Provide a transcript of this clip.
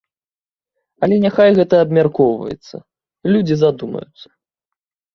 Але няхай гэта абмяркоўваецца, людзі задумаюцца.